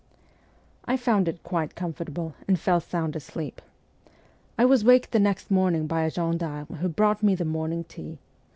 I found it quite comfortable, and fell sound asleep. I was waked the next morning by a gendarme, who brought me the morning tea.